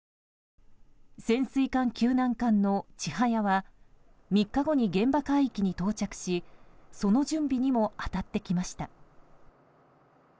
潜水艦救難艦の「ちはや」は３日後に現場海域に到着しその準備にも当たってきました。